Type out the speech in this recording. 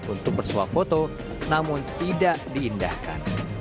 untuk bersuap foto namun tidak diindahkan